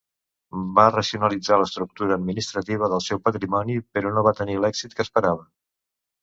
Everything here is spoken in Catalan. Va racionalitzar l'estructura administrativa del seu patrimoni però no va tenir l'èxit que esperava.